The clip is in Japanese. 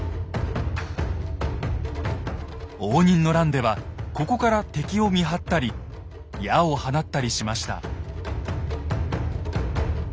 応仁の乱ではここから敵を見張ったり矢を放ったりしました。